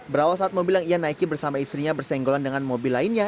berawal saat mobil yang ia naiki bersama istrinya bersenggolan dengan mobil lainnya